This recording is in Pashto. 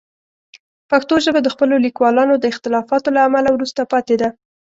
پښتو ژبه د خپلو لیکوالانو د اختلافاتو له امله وروسته پاتې ده.